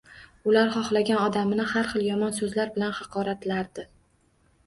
Ular xohlagan odamini har xil yomon so‘zlar bilan haqoratlardi